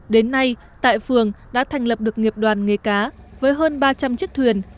đến nay tại phường đã thành lập được nghiệp đoàn nghề cá với hơn ba trăm linh chiếc thuyền